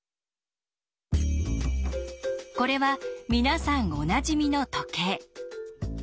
これは皆さんおなじみの時計。